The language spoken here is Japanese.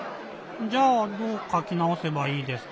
じゃあどうかきなおせばいいですか？